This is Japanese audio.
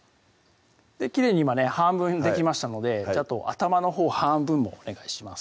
きれいに今ね半分できましたのであと頭のほう半分もお願いします